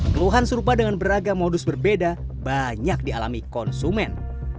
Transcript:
keluhan serupa dengan beragam modus berbeda banyak dialami konsumen